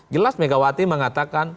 jelas megawati mengatakan